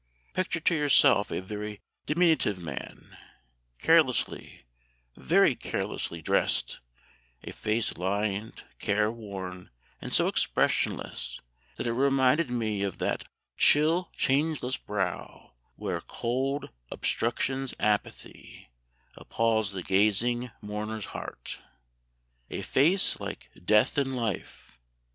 Picture to yourself a very diminutive man, carelessly very carelessly dressed; a face lined, careworn, and so expressionless that it reminded one of 'that chill changeless brow, where cold Obstruction's apathy appals the gazing mourners heart' a face like death in life.